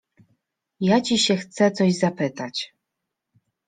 — Ja ci się chcę coś zapytać.